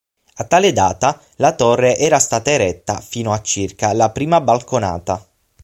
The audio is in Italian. A tale data la torre era stata eretta fino a circa la prima balconata.